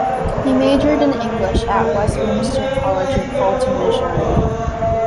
He majored in English at Westminster College in Fulton, Missouri.